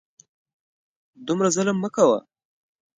دومره ظلم مه کوه !